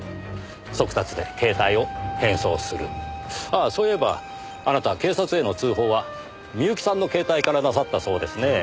ああそういえばあなたは警察への通報は深雪さんの携帯からなさったそうですねぇ。